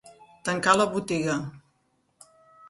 Tancar la botiga.